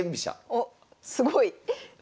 おっすごい。